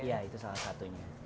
iya itu salah satunya